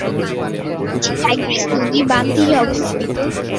এটি টাইগ্রিস নদীর বাম তীরে অবস্থিত।